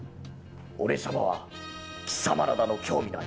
俺様は貴様らなど興味などない。